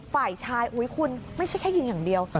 ฝ่ายชายอุ๊ยคุณไม่ใช่แค่ยิงอย่างเดียว